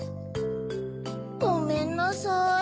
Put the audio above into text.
ごめんなさい。